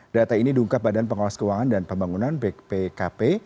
data ini diungkap badan pengawas keuangan dan pembangunan bpkp